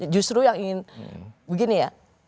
justru yang ingin begini ya